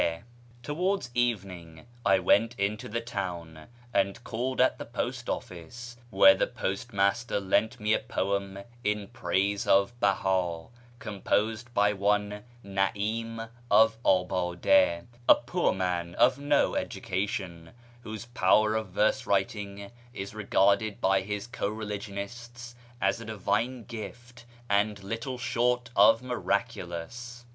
— Towards evening I went into the town and called at the post office, where the postmaster lent me a poem in praise of Beha, composed by one Na'im of Abade, a poor man of no education, whose power of verse writing is regarded by his co religionists as a divine gift, and little short of miraculous.